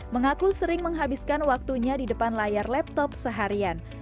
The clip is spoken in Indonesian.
mengaku sering menghabiskan waktunya di depan layar laptop seharian